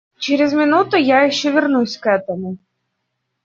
Через минуту я еще вернусь к этому.